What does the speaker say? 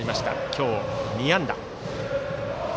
今日２安打。